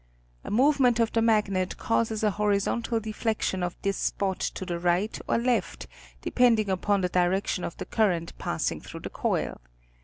A movement of the magnet causes a horizontal deflection of this spot to the right or left depending upon the direction of the current passing through the coil.